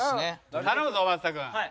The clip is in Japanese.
頼むぞ松田君。